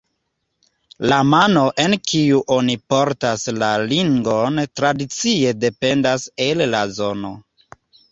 La mano en kiu oni portas la ringon tradicie dependas el la zono.